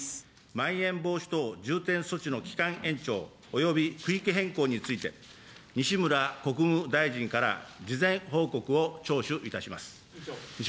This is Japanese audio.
まん延防止等重点措置の期間延長、および区域変更について、西村国務大臣から事前報告を聴取いたします。